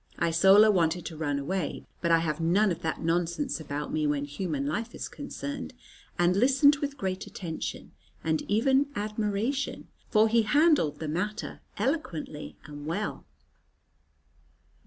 Isola wanted to run away, but I have none of that nonsense about me, when human life is concerned, and listened with great attention, and even admiration; for he handled the matter eloquently and well.